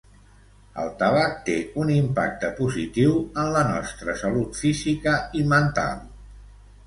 El tabac té un impacte positiu en la nostra salut física i mental.